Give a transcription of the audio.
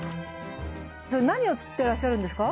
それ何をつくってらっしゃるんですか？